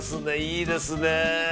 いいですね。